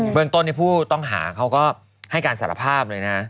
เมืองต้นผู้ต้องหาเขาก็ให้การสารภาพเลยนะ